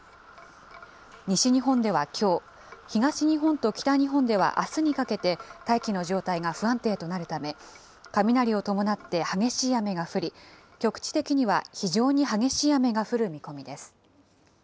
西日本ではきょう、東日本と北日本ではあすにかけて、大気の状態が不安定となるため、雷を伴って激しい雨が降り、局地的には非常に激しい雨が降る見込みです。